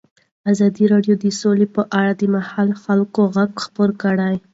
ازادي راډیو د سوله په اړه د محلي خلکو غږ خپور کړی.